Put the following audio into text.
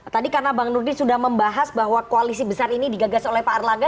tadi karena bang nurdin sudah membahas bahwa koalisi besar ini digagas oleh pak erlangga